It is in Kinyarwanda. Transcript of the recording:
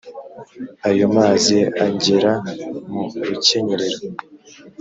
ayo mazi angera mu rukenyerero